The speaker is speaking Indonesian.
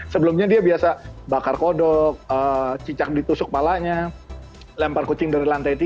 sebelumnya dia biasa bakar kodok cicak ditusuk palanya lempar kucing dari lantai tiga